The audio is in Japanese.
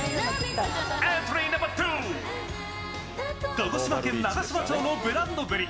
鹿児島県長島町のブランドぶり